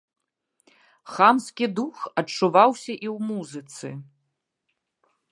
Хамскі дух адчуваўся і ў музыцы.